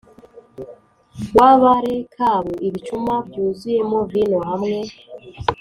w Abarekabu ibicuma byuzuyemo vino hamwe